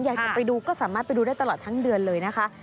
อยากจะไปดูก็สามารถไปดูได้ตลอดทั้งเดือนเลยนะคะ